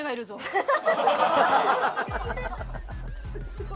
ハハハハ！